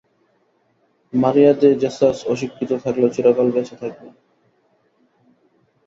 মারিয়া de Jesus অশিক্ষিত থাকলেও চিরকাল বেঁচে থাকবেন।